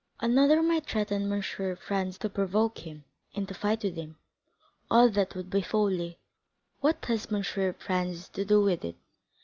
Another might threaten to seek M. Franz, to provoke him, and to fight with him; all that would be folly. What has M. Franz to do with it?